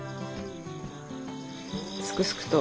すくすくと。